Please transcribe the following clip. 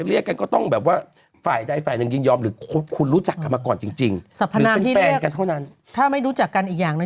อศิกายมีอันนี้อศิคจะไปนั่นหรือยัง